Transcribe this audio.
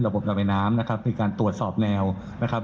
ระบายน้ำนะครับคือการตรวจสอบแนวนะครับ